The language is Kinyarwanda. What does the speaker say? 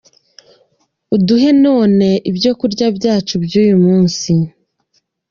Uduhe none ibyokurya byacu by’uyu munsi